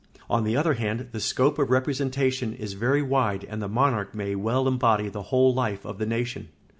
On the other hand, the scope of representation is very wide and the monarch may well embody the whole life of the nation.